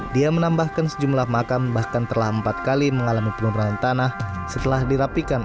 dia menambahkan sejumlah makam bahkan telah empat kali mengalami penurunan tanah setelah dirapikan